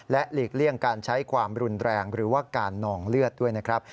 หลีกเลี่ยงการใช้ความรุนแรงหรือว่าการนองเลือดด้วยนะครับ